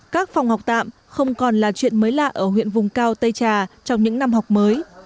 các phòng học tạm không còn là chuyện mới lạ ở huyện vùng cao tây trà trong những năm học mới